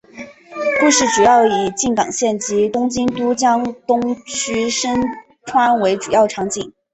故事主要以静冈县及东京都江东区深川为主要场景。